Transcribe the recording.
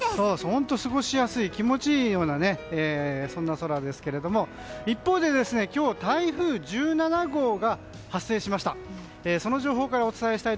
本当に過ごしやすくて気持ちいい、そんな空ですけど一方で今日台風１７号が発生しました。